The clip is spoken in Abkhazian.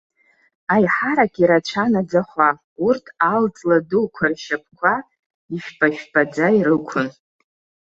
Аиҳарак ирацәан аӡахәа, урҭ ал ҵла дуқәа ршьапқәа ишәпашәпаӡа ирықәын.